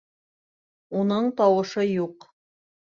Уның тауышы юҡ